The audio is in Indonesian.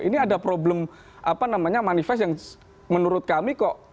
ini ada problem manifest yang menurut kami kok